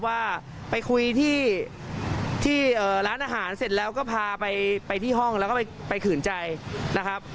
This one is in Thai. ว่าไปคุยที่ร้านอาหารเสร็จแล้วก็พาไปที่ห้องแล้วก็ไปขืนใจนะครับ